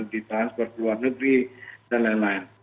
di transfer ke luar negeri dan lain lain